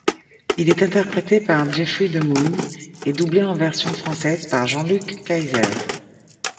Il est interprété par Jeffrey DeMunn et doublé en version française par Jean-Luc Kayser.